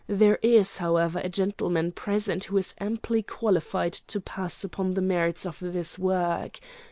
There is, however, a gentleman present who is amply qualified to pass upon the merits of this work.